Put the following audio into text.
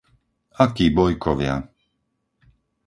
Akí bojkovia!